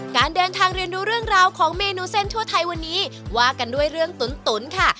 การเดินทางเรียนดูเรื่องราวของเมนูเส้นทั่วไทยวันนี้ว่ากันด้วยเรื่องตุ๋นค่ะ